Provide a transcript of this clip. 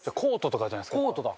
コートだ！